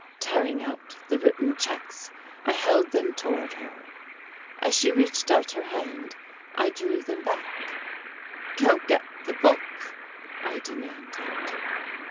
Tearing out the written checks I held them toward her. As she reached out her hand I drew them back "Go get the book," I demanded.